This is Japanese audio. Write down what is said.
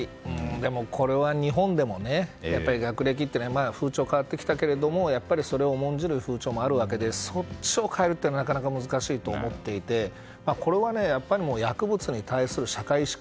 でも、これは日本でもやっぱり学歴というのは風潮は変わってきてるけど重んじる風潮もあるわけでそっちを変えるのはなかなか難しいと思っていてこれは薬物に対する社会意識。